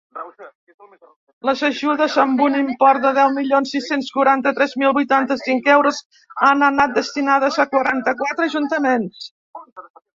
Les ajudes, amb un import de deu milions sis-cents quaranta-tres mil vuitanta-cinc euros, han anat destinades a quaranta-quatre ajuntaments.